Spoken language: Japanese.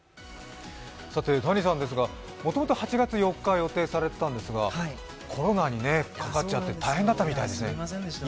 Ｔａｎｉさんですが、もともと８月４日に予定されていたんですが、コロナにかかっちゃって大変だったみたいですね。